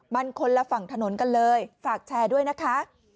มันคนละฝั่งถนนกันเลยฝากแชร์ด้วยนะคะ